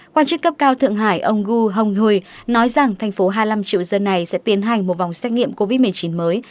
quan chức cấp cao thượng hải ông gu hong hui nói rằng thành phố hai mươi năm triệu dân này sẽ tiến hành một vòng xét nghiệm covid một mươi chín mới